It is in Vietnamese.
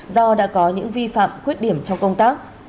do đã có những vi phạm khuyết điểm trong công tác